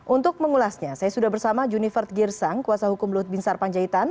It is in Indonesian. untuk mengulasnya saya sudah bersama junifert girsang kuasa hukum luhut bin sarpanjaitan